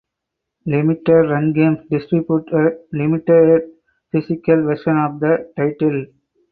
Limited Run Games distributed limited physical versions of the title.